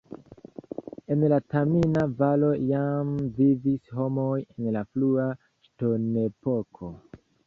En la Tamina-Valo jam vivis homoj en la frua ŝtonepoko.